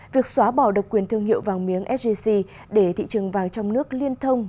việc xóa bỏ độc quyền thương hiệu vàng miếng sgc để thị trường vàng trong nước liên thông